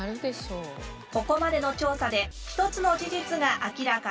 ここまでの調査で一つの事実が明らかに。